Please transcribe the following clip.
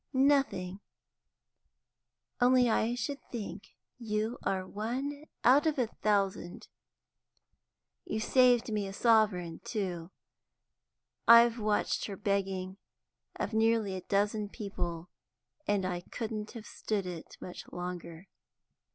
"Nothing; only I should think you are one out of a thousand. You saved me a sovereign, too; I've watched her begging of nearly a dozen people, and I couldn't have stood it much longer."